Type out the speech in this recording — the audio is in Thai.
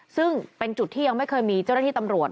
ซึ่งเป็นจุดที่ยังไม่เคยมีเจ้าหน้าที่ตำรวจ